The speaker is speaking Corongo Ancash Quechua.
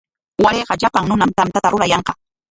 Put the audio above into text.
Warayqa llapan runam tantata rurayanqa.